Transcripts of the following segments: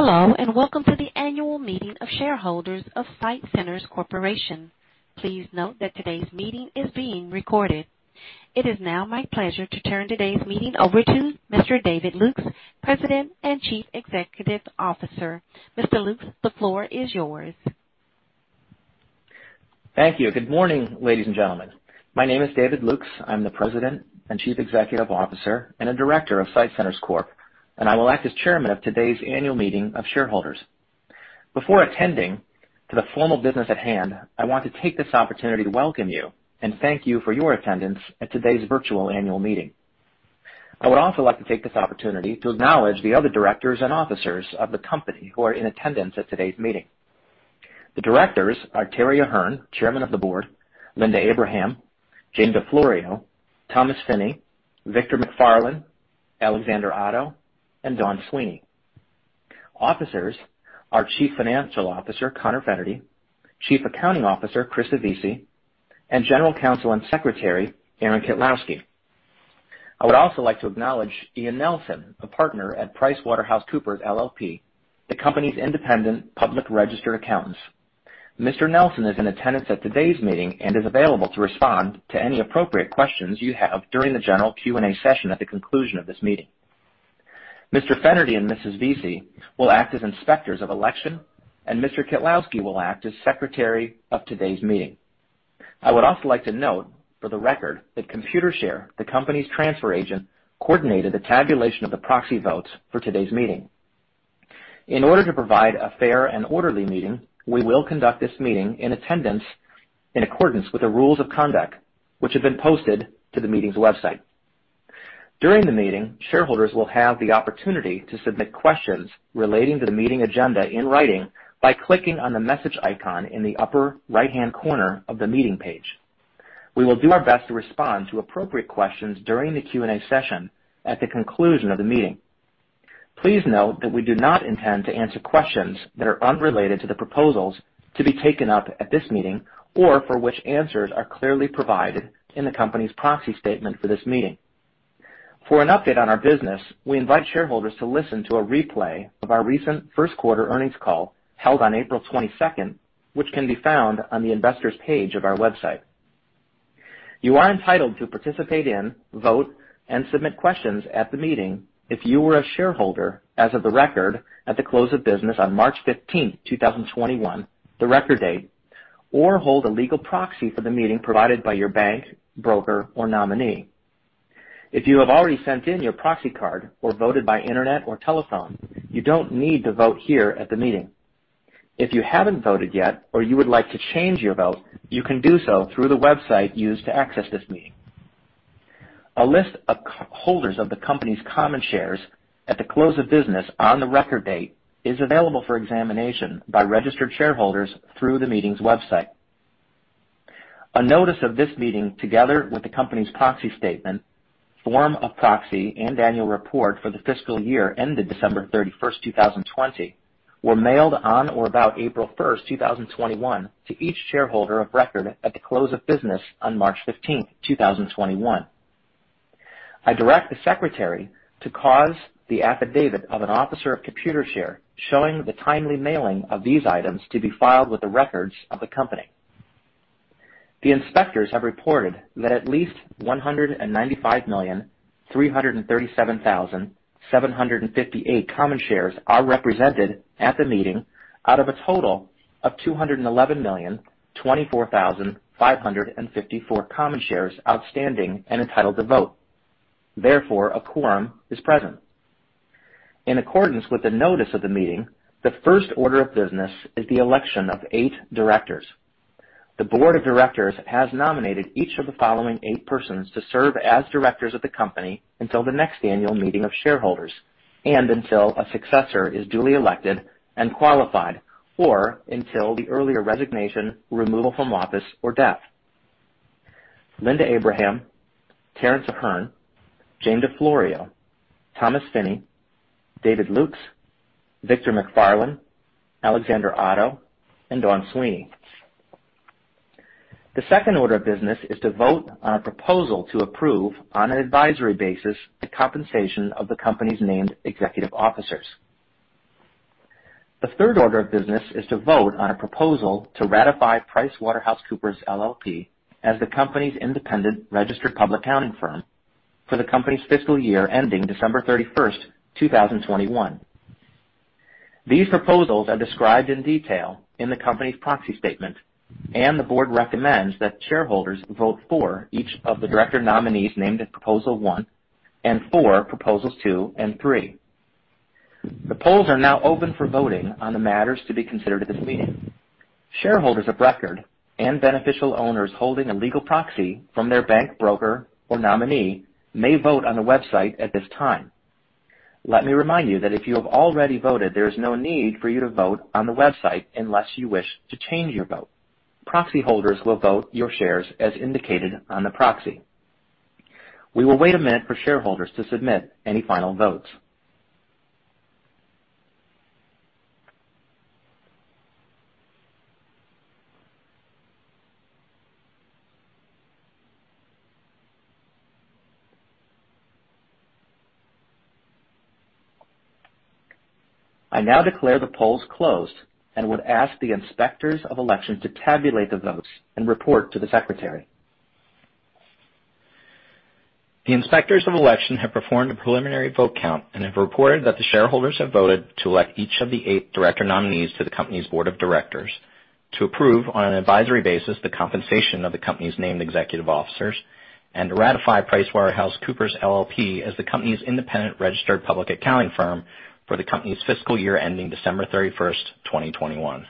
Hello, and welcome to the annual meeting of shareholders of SITE Centers Corporation. Please note that today's meeting is being recorded. It is now my pleasure to turn today's meeting over to Mr. David Lukes, President and Chief Executive Officer. Mr. Lukes, the floor is yours. Thank you. Good morning, ladies and gentlemen. My name is David Lukes. I'm the President and Chief Executive Officer and a Director of SITE Centers Corp, and I will act as Chairman of today's Annual Meeting of Shareholders. Before attending to the formal business at hand, I want to take this opportunity to welcome you and thank you for your attendance at today's virtual annual meeting. I would also like to take this opportunity to acknowledge the other Directors and Officers of the company who are in attendance at today's meeting. The Directors are Terry Ahern, Chairman of the Board, Linda Abraham, Jane DeFlorio, Thomas Finne, Victor MacFarlane, Alexander Otto, and Dawn Sweeney. Officers are Chief Financial Officer, Conor Fennerty, Chief Accounting Officer, Christa Vesy, and General Counsel and Secretary, Aaron Kitlowski. I would also like to acknowledge Ian Nelson, a partner at PricewaterhouseCoopers LLP, the company's independent registered public accounting firm. Mr. Nelson is in attendance at today's meeting and is available to respond to any appropriate questions you have during the general Q&A session at the conclusion of this meeting. Mr. Fennerty and Mrs. Vesy will act as Inspectors of Election, and Mr. Kitlowski will act as Secretary of today's meeting. I would also like to note for the record that Computershare, the company's transfer agent, coordinated the tabulation of the proxy votes for today's meeting. In order to provide a fair and orderly meeting, we will conduct this meeting in accordance with the rules of conduct, which have been posted to the meeting's website. During the meeting, shareholders will have the opportunity to submit questions relating to the meeting agenda in writing by clicking on the message icon in the upper right-hand corner of the meeting page. We will do our best to respond to appropriate questions during the Q&A session at the conclusion of the meeting. Please note that we do not intend to answer questions that are unrelated to the proposals to be taken up at this meeting or for which answers are clearly provided in the company's proxy statement for this meeting. For an update on our business, we invite shareholders to listen to a replay of our recent first quarter earnings call held on April 22nd, which can be found on the investor's page of our website. You are entitled to participate in, vote, and submit questions at the meeting if you were a shareholder as of the record at the close of business on March 15th, 2021, the record date, or hold a legal proxy for the meeting provided by your bank, broker, or nominee. If you have already sent in your proxy card or voted by internet or telephone, you don't need to vote here at the meeting. If you haven't voted yet or you would like to change your vote, you can do so through the website used to access this meeting. A list of holders of the company's common shares at the close of business on the record date is available for examination by registered shareholders through the meeting's website. A notice of this meeting, together with the company's proxy statement, form of proxy, and annual report for the fiscal year ended December 31st, 2020, were mailed on or about April 1st, 2021, to each shareholder of record at the close of business on March 15th, 2021. I direct the Secretary to cause the affidavit of an officer of Computershare showing the timely mailing of these items to be filed with the records of the company. The inspectors have reported that at least 195,337,758 common shares are represented at the meeting out of a total of 211,024,554 common shares outstanding and entitled to vote. A quorum is present. In accordance with the notice of the meeting, the first order of business is the election of eight directors. The board of directors has nominated each of the following eight persons to serve as directors of the company until the next annual meeting of shareholders and until a successor is duly elected and qualified or until the earlier resignation, removal from office, or death. Linda Abraham, Terrance Ahern, Jane DeFlorio, Thomas Finne, David Lukes, Victor MacFarlane, Alexander Otto, and Dawn Sweeney. The second order of business is to vote on a proposal to approve, on an advisory basis, the compensation of the company's named executive officers. The third order of business is to vote on a proposal to ratify PricewaterhouseCoopers LLP as the company's independent registered public accounting firm for the company's fiscal year ending December 31st, 2021. These proposals are described in detail in the company's proxy statement, and the board recommends that shareholders vote for each of the director nominees named in proposal one and for proposals two and three. The polls are now open for voting on the matters to be considered at this meeting. Shareholders of record and beneficial owners holding a legal proxy from their bank, broker, or nominee may vote on the website at this time. Let me remind you that if you have already voted, there is no need for you to vote on the website unless you wish to change your vote. Proxy holders will vote your shares as indicated on the proxy. We will wait a minute for shareholders to submit any final votes. I now declare the polls closed and would ask the Inspectors of Election to tabulate the votes and report to the Secretary. The Inspectors of Election have performed a preliminary vote count and have reported that the shareholders have voted to elect each of the eight director nominees to the company's board of directors to approve, on an advisory basis, the compensation of the company's named executive officers and ratify PricewaterhouseCoopers LLP as the company's independent registered public accounting firm for the company's fiscal year ending December 31st, 2021.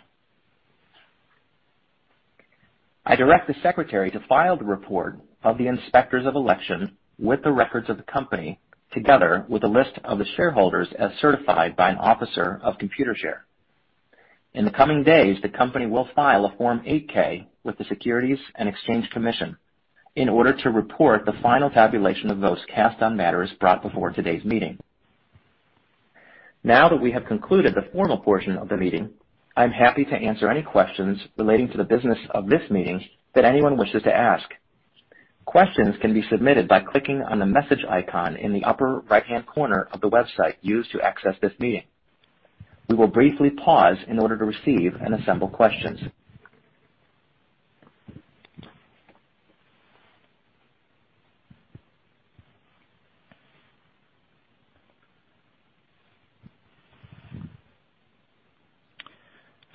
I direct the Secretary to file the report of the Inspectors of Election with the records of the company, together with a list of the shareholders as certified by an officer of Computershare. In the coming days, the company will file a Form 8-K with the Securities and Exchange Commission in order to report the final tabulation of votes cast on matters brought before today's meeting. Now that we have concluded the formal portion of the meeting, I'm happy to answer any questions relating to the business of this meeting that anyone wishes to ask. Questions can be submitted by clicking on the message icon in the upper right-hand corner of the website used to access this meeting. We will briefly pause in order to receive and assemble questions.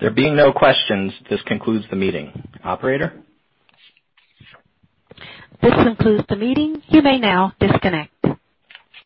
There being no questions, this concludes the meeting. Operator? This concludes the meeting. You may now disconnect.